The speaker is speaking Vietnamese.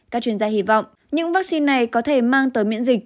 các chuyên gia hy vọng những vaccine này có thể mang tới miễn dịch